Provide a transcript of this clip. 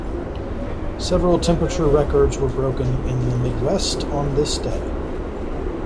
Several temperature records were broken in the Midwest on this day.